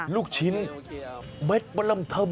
ลูกชิ้นเม็ดประลำเทิม